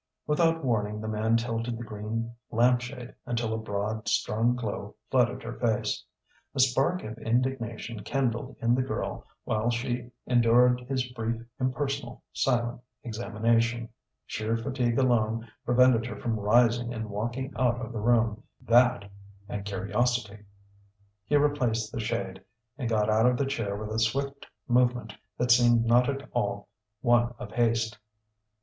Without warning the man tilted the green lamp shade until a broad, strong glow flooded her face. A spark of indignation kindled in the girl while she endured his brief, impersonal, silent examination. Sheer fatigue alone prevented her from rising and walking out of the room that, and curiosity. He replaced the shade, and got out of the chair with a swift movement that seemed not at all one of haste.